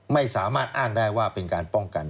ไม่สามารถอ้างได้ว่าเป็นการป้องกัน